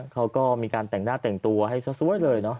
เขาก็มีการแต่งหน้าแต่งตัวให้สวยเลยเนาะ